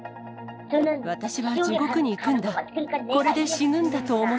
私は地獄に行くんだ、これで